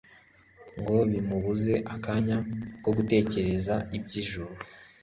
ngo bimubuze akanya ko gutekereza iby'ijuru.